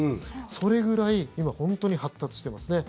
それぐらい今、本当に発達してますね。